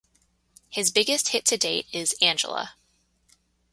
His biggest hit to date is "Angela".